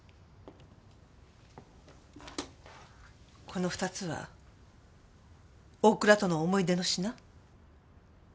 このニつは大倉との思い出の品？